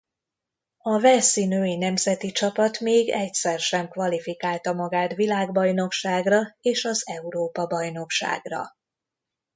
A walesi női nemzeti csapat még egyszer sem kvalifikálta magát világbajnokságra és az Európa-bajnokságra.